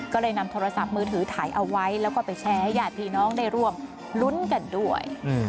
ก็เลยนำโทรศัพท์มือถือถ่ายเอาไว้แล้วก็ไปแชร์ให้ญาติพี่น้องได้ร่วมรุ้นกันด้วย